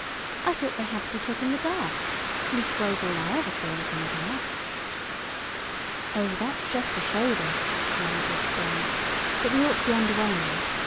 "I thought they had to be took in the dark. Leastways, all I ever saw was in the dark." "Oh, that's just to show them," the manager explained. "But we ought to be under way now.